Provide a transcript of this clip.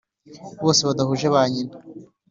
bose badahuje ba nyina.